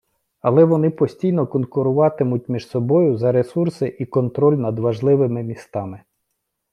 Але вони постійно конкуруватимуть між собою за ресурси і контроль над важливими містами.